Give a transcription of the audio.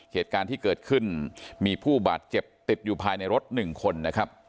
เหตุการณ์ที่เกิดขึ้นมีผู้บาดเจ็บติดอยู่ภายในรถ๑คนนะครับ